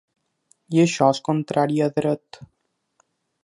I això és contrari a dret.